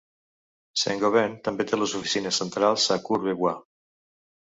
Saint-Gobain també té les oficines centrals a Courbevoie.